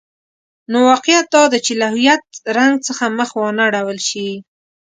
نو واقعیت دادی چې له هویت رنګ څخه مخ وانه ړول شي.